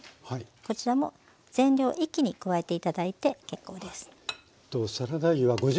こちらも全量一気に加えて頂いて結構です。